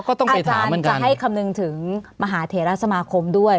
อาจารย์จะให้คำนึงถึงมหาเถระสมาคมด้วย